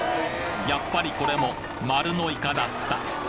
やっぱりこれも丸のイカだった！